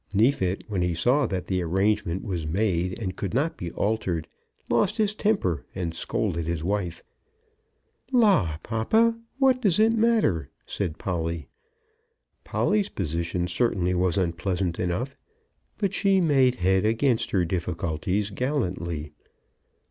Neefit, when he saw that the arrangement was made and could not be altered, lost his temper and scolded his wife. "Law, papa, what does it matter?" said Polly. Polly's position certainly was unpleasant enough; but she made head against her difficulties gallantly.